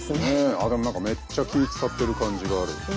あっでも何かめっちゃ気ぃ遣ってる感じがある。